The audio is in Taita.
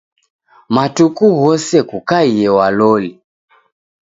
Matuku ghose kuke waloli.